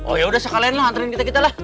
oh ya udah sekalian lah anterin kita kita lah